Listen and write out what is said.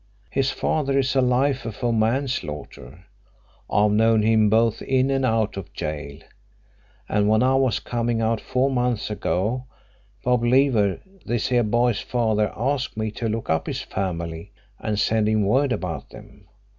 His father is a 'lifer' for manslaughter. I've known him both in and out of gaol. And when I was coming out four months ago Bob Leaver, this here boy's father, asked me to look up his family and send him word about them.